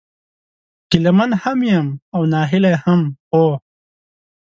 ګيله من هم يم او ناهيلی هم ، خو